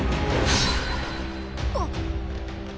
あっ！